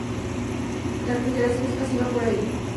La refrigeración es pasiva por aire.